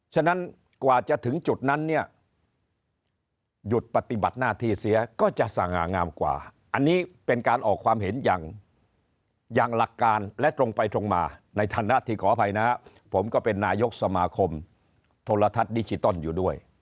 ฉะนั้นกว่าจะถึงจุดนั้นเนี่ยหยุดปฏิบัติหน้าที่เสียก็จะสง่างามกว่าอันนี้เป็นการออกความเห็นอย่างหลักการและตรงไปตรงมาในฐานะที่ขออภัยนะผมก็เป็นนายกสมาคมโทรทัศน์ดิจิตอลอยู่ด้วย